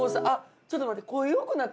ちょっと待って。